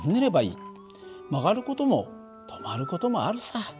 曲がる事も止まる事もあるさ。